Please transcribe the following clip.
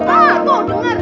pak kok dengar